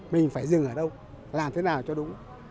mình phải dừng ở đâu làm thế nào cho đúng